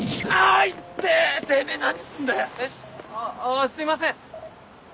あっすいません！